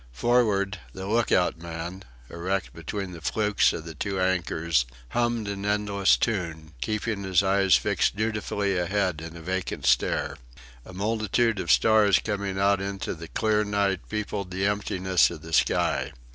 Forward, the look out man, erect between the flukes of the two anchors, hummed an endless tune, keeping his eyes fixed dutifully ahead in a vacant stare. A multitude of stars coming out into the clear night peopled the emptiness of the sky.